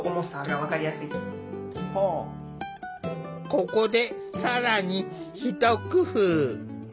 ここで更にひと工夫。